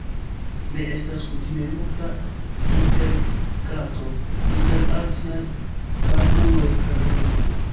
Ne estas kutime multa interagado inter aziaj barbuloj kaj homoj.